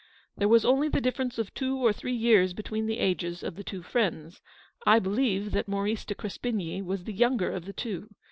There was only the difference of two or three years between the ages of the two friends. I THE STORY OF THE PAST. believe that Maurice de Crespigny was the younger of the two.